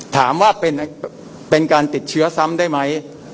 ถามว่าเป็นการติดเชื้อซ้ำได้ไหม